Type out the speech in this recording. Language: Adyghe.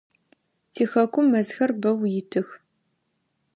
Тихэкум мэзхэр бэу итых.